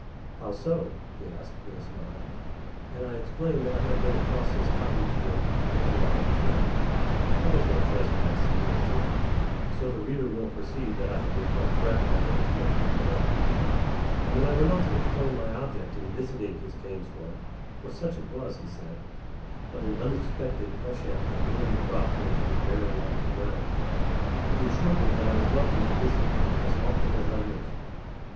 "How so?" he asked, with a smile; and I explained that I had been across his cotton field a little while before. "That is no trespass," he answered (so the reader will perceive that I had been quite correct in my understanding of the law); and when I went on to explain my object in visiting his cane swamp (for such it was, he said, but an unexpected freshet had ruined the crop when it was barely out of the ground), he assured me that I was welcome to visit it as often as I wished.